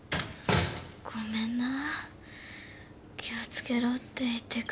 ごめんな気を付けろって言ってくれたのに。